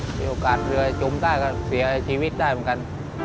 มีโอกาสเรือจมได้ก็เสียชีวิตได้เหมือนกัน